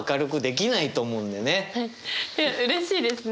はいうれしいですね。